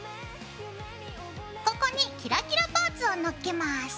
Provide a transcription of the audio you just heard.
ここにキラキラパーツをのっけます。